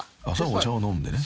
［お茶を飲んでね］